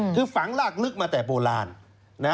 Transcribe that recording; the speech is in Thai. คือฝังลากลึกมาแต่โบราณ